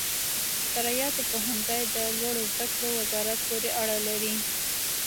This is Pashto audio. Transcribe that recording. شرعیاتو پوهنځي د لوړو زده کړو وزارت پورې اړه لري.